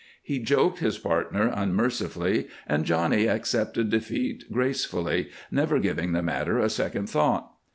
He joked his partner unmercifully, and Johnny accepted defeat gracefully, never giving the matter a second thought.